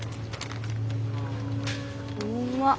うまっ。